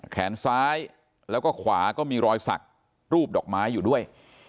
แขนซ้ายแล้วก็ขวาก็มีรอยสักรูปดอกไม้อยู่ด้วย